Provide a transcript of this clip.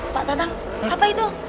pak tatang apa itu